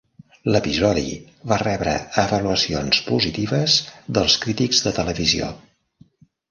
L'episodi va rebre avaluacions positives dels crítics de televisió.